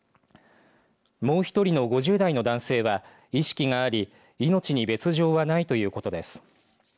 もう１人の５０代の男性は意識があり命に別状はないということです。